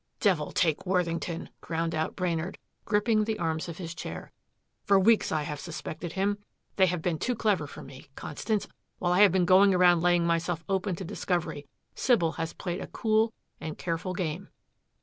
"Devil take Worthington," ground out Brainard, gripping the arms of his chair. "For weeks I have suspected him. They have been too clever for me. Constance, while I have been going around laying myself open to discovery, Sybil has played a cool and careful game."